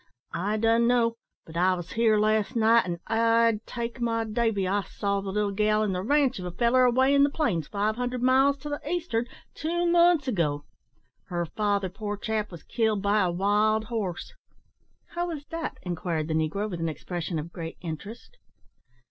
"I dun know; but I was here last night, an' I'd take my davy, I saw the little gal in the ranche of a feller away in the plains, five hundred miles to the east'ard, two months ago. Her father, poor chap, was killed by a wild horse." "How was dat?" inquired the negro, with an expression of great interest.